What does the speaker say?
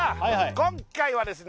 今回はですね